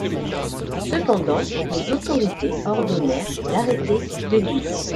Cependant, les autorités ordonnèrent d’arrêter de Lisle.